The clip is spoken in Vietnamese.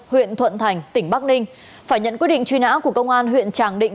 huyện thuận thành tỉnh bắc ninh phải nhận quyết định truy nã của công an huyện tràng định